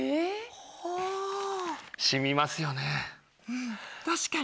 うん確かに。